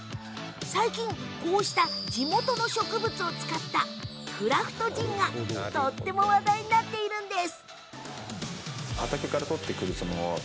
最近こうした地元の植物を使ったクラフトジンが話題になっているんです。